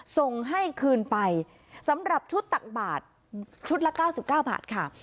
ส่งให้คืนไปสำหรับชุดตักบาทชุดละเก้าสิบเก้าบาทค่ะ